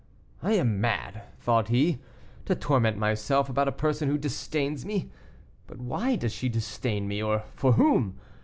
"I am mad," thought he, "to torment myself about a person who disdains me. But why does she disdain me, or for whom?